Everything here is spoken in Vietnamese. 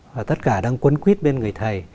và tất cả đang cuốn quyết bên người thầy